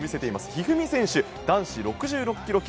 一二三選手、男子６６ｋｇ級。